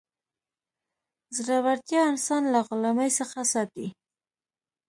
زړورتیا انسان له غلامۍ څخه ساتي.